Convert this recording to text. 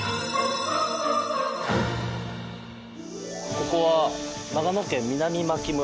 ここは長野県南牧村。